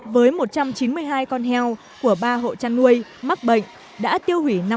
với một trăm chín mươi hai con heo của ba hộ chăn nuôi mắc bệnh đã tiêu hủy ba trăm ba mươi bảy con heo